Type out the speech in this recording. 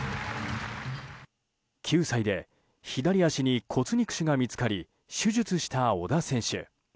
９歳で左足に骨肉腫が見つかり手術した小田選手。